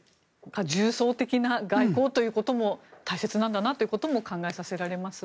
重層的な外交ということも大切なんだなということも考えさせられます。